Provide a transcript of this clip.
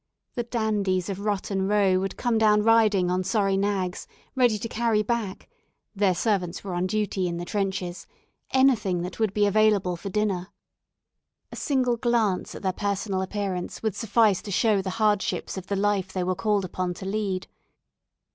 The dandies of Rotten Row would come down riding on sorry nags, ready to carry back their servants were on duty in the trenches anything that would be available for dinner. A single glance at their personal appearance would suffice to show the hardships of the life they were called upon to lead.